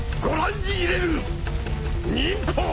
忍法！